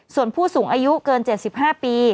ส่วนผู้สูงอายุเกิน๗๕ปี